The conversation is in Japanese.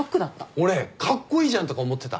俺カッコイイじゃんとか思ってた。